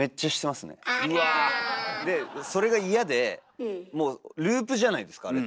でそれが嫌でもうループじゃないですかあれって。